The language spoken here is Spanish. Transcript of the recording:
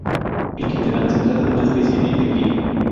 En general, se trata de una especie en declive.